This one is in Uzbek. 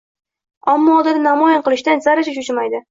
Omma oldida namoyon qilishdan zarracha choʻchimaydi.